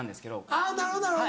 あぁなるほどなるほど。